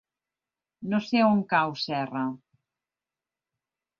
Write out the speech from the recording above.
No sé on cau Serra.